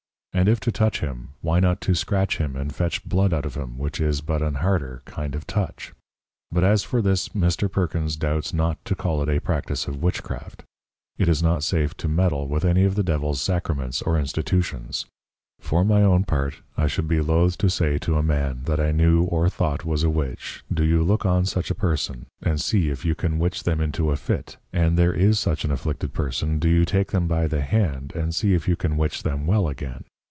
And if to touch him, why not to scratch him and fetch Blood out of him, which is but an harder kind of touch? But as for this Mr. Perkins doubts not to call it a Practice of Witchcraft. It is not safe to meddle with any of the Devils Sacraments or Institutions; _For my own part, I should be loath to say to a Man, that I knew or thought was a Witch, do you look on such a Person, and see if you can Witch them into a Fit, and there is such an afflicted Person do you take them by the Hand, and see if you can Witch them well again.